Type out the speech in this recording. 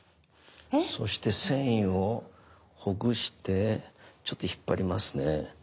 そして繊維をほぐしてちょっと引っ張りますね。